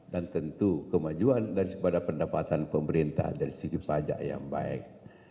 dan tentu kemajuan daripada pendapatan pemerintah dari sisi pajak yang baik